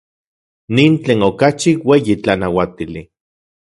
Nin tlen okachi ueyi tlanauatili.